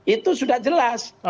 itu sudah jelas